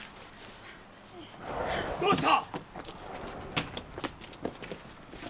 どうした？